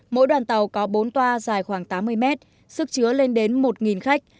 mỗi đoàn tàu có bốn toa dài khoảng tám mươi mét sức chứa lên đến một khách